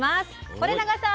是永さん。